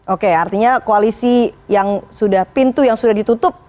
oke artinya koalisi yang sudah pintu yang sudah ditutup